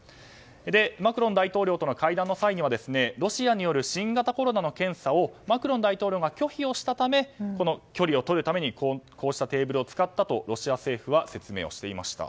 マクロン大統領との会談の際にはロシアによる新型コロナの検査をマクロン大統領が拒否したため、距離をとるためにこうしたテーブルを使ったとロシア政府は説明していました。